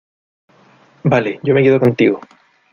vale, yo me quedo contigo.